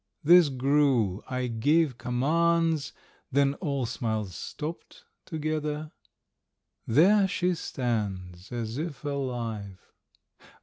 This grew; I gave commands; Then all smiles stopped together. There she stands As if alive.